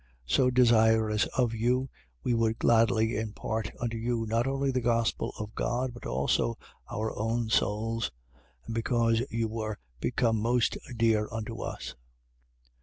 So desirous of you, we would gladly impart unto you not only the gospel of God but also our own souls: because you were become most dear unto us.